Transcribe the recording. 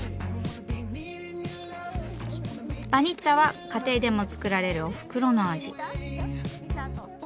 バニッツァは家庭でも作られるおふくろの味。